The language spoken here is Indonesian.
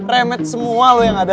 remet semua loh yang ada